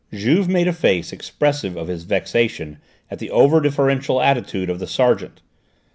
Juve made a face expressive of his vexation at the over deferential attitude of the sergeant.